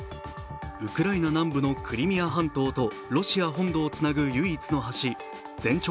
ウクライナ南部のクリミア半島と、ロシア本土をつなぐ唯一の橋全長